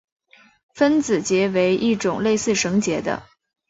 分子结为一种类似绳结的。